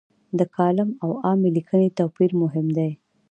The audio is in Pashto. د کالم او عامې لیکنې توپیر مهم دی.